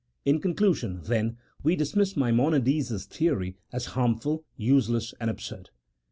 In conclusion, then, we dismiss Maimonides' theory as harmful, useless, and absurd.